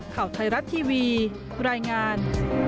ข่าวไทยรัฐทีวีรายงาน